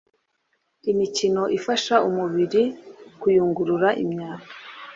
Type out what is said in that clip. Imikino ifasha umubiri kuyungurura imyanda.